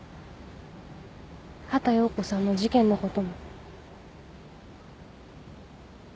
畑葉子さんの事件のことも。